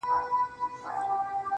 چې خپلې جدي سترګې دې نه پورته کولې.